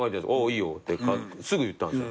いいよってすぐ言ったんすよ。